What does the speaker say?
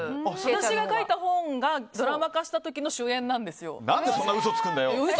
私が書いた本がドラマ化した時の主演なんですよ。